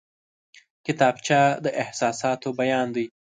کتابچه د احساساتو بیان دی